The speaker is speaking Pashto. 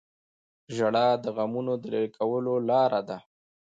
• ژړا د غمونو د لرې کولو لاره ده.